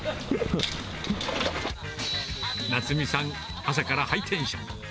奈津実さん、朝からハイテンション。